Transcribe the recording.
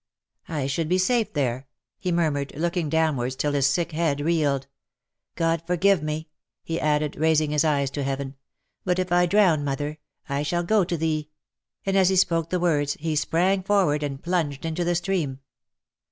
" I should be safe there !" he murmured, looking downwards till his sick head reeled. " God forgive me !" he added, raising his eyes to heaven. " But if I drown, mother! I shall go to thee!" and as he spoke the words, he sprang forward, and plunged into the stream